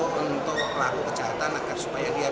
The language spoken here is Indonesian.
geldi pada pemkekuatan dan kepenangan diri